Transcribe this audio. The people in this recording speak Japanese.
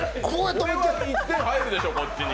これは１点入るでしょ、こっちに。